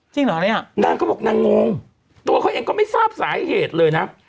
เหรอเนี่ยนางก็บอกนางงตัวเขาเองก็ไม่ทราบสาเหตุเลยนะ